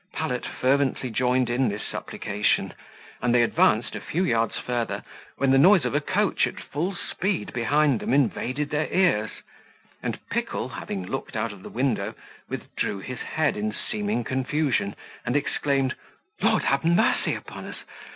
Pallet fervently joined in this supplication; and they advanced a few yards farther, when the noise of a coach at full speed behind them invaded their ears; and Pickle, having looked out of the window, withdrew his head in seeming confusion, and exclaimed, "Lord have mercy upon us!